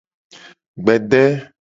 Gbede.